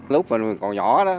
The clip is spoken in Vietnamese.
lúc mình còn nhỏ đó